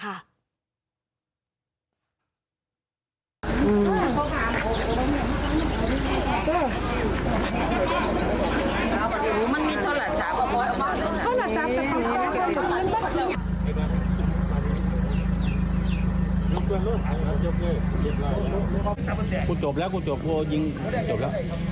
เปิดปืนไม่ต้องกลับนะครับเอาไว้ก่อนเดี๋ยวรอ